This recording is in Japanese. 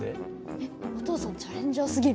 えっお父さんチャレンジャーすぎる。